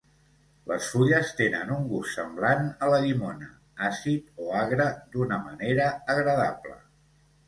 Les fulles tenen un gust semblant a la llimona, àcid o agre d'una manera agradable.